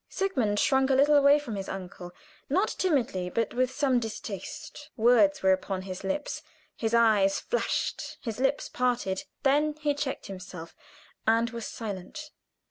Sigmund shrunk a little away from his uncle, not timidly, but with some distaste. Words were upon his lips; his eyes flashed, his lips parted; then he checked himself, and was silent.